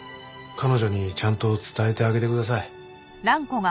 彼女にちゃんと伝えてあげてください。